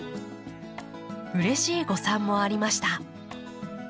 うれしい誤算もありました。